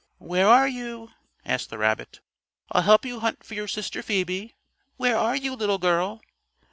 "Where are you?" asked the rabbit. "I'll help you hunt for your sister Phoebe. Where are you, little girl?"